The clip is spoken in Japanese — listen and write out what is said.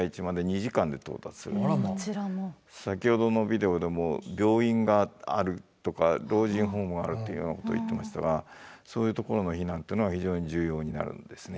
先ほどのビデオでも病院があるとか老人ホームがあるっていうようなことを言ってましたがそういうところの避難というのは非常に重要になるんですね。